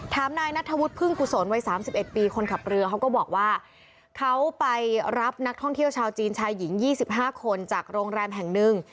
นายนัทธวุฒิพึ่งกุศลวัย๓๑ปีคนขับเรือเขาก็บอกว่าเขาไปรับนักท่องเที่ยวชาวจีนชายหญิง๒๕คนจากโรงแรมแห่งหนึ่ง